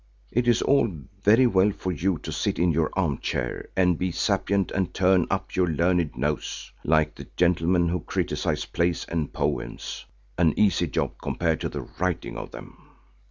It is all very well for you to sit in your armchair and be sapient and turn up your learned nose, like the gentlemen who criticise plays and poems, an easy job compared to the writing of them.